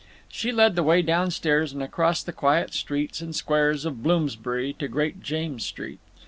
She led the way down stairs and across the quiet streets and squares of Bloomsbury to Great James Street.